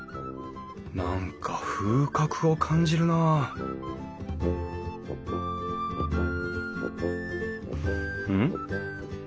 何か風格を感じるなあうん？